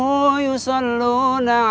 allahu akbar allahu akbar